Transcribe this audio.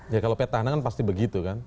ya kalau petahana kan pasti begitu kan